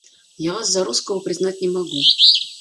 Я вас за русского признать не могу.